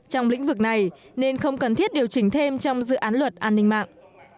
trong lĩnh vực này nên không cần thiết điều chỉnh thêm trong dự án luật an ninh mạng